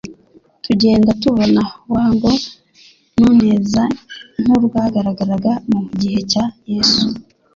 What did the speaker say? tugenda tubona ui-wango nuneze nk'urwagaragaraga mu gihe cya Yesu.